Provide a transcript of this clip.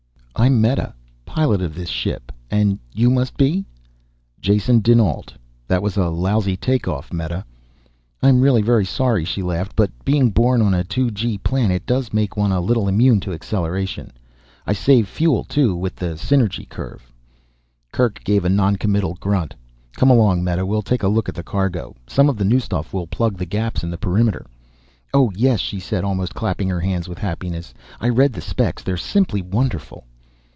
"I'm Meta, pilot of this ship. And you must be " "Jason dinAlt. That was a lousy take off, Meta." "I'm really very sorry," she laughed. "But being born on a two G planet does make one a little immune to acceleration. I save fuel too, with the synergy curve " Kerk gave a noncommittal grunt. "Come along, Meta, we'll take a look at the cargo. Some of the new stuff will plug the gaps in the perimeter." "Oh yes," she said, almost clapping her hands with happiness. "I read the specs, they're simply wonderful."